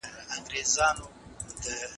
برس کول باید منظم ترسره شي.